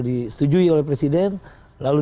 disetujui oleh presiden lalu